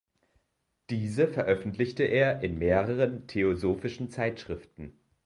Diese veröffentlichte er in mehreren theosophischen Zeitschriften.